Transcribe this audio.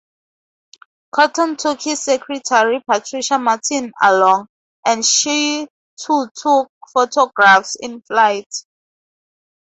Cotton took his secretary Patricia Martin along, and she too took photographs in flight.